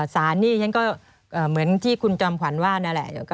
สารนี่ฉันก็เหมือนที่คุณจอมขวัญว่านั่นแหละ